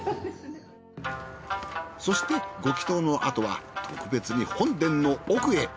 そしてご祈祷のあとは特別に本殿の奥へ。